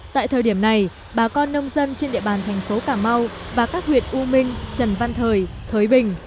tại thời điểm này bà con nông dân trên địa bàn thành phố cà mau và các huyện u minh trần văn thời thới bình